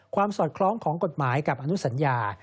สอดคล้องของกฎหมายกับอนุสัญญา